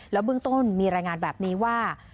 เบื้องต้นมีรายงานแบบนี้ว่า